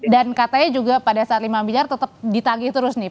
dan katanya juga pada saat lima miliar tetap ditagih terus nih